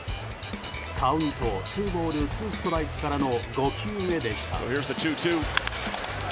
カウント、ツーボールツーストライクからの５球目でした。